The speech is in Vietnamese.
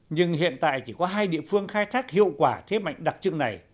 nhưng hiện tại chỉ có hai địa phương khai thác hiệu quả thế mạnh đặc trưng này